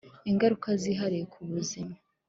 Ingaruka zihariye ku buzima